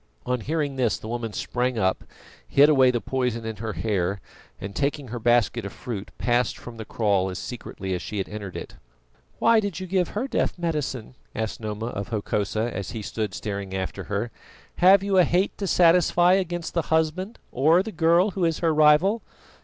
On hearing this the woman sprang up, hid away the poison in her hair, and taking her basket of fruit, passed from the kraal as secretly as she had entered it. "Why did you give her death medicine?" asked Noma of Hokosa, as he stood staring after her. "Have you a hate to satisfy against the husband or the girl who is her rival?"